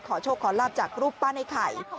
โชคขอลาบจากรูปปั้นไอ้ไข่